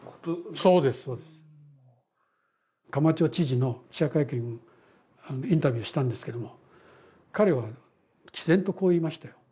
そうですカマチョ知事の記者会見インタビューしたんですけども彼は毅然とこう言いましたよ